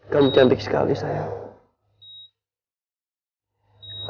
kamu cantik sekali sayang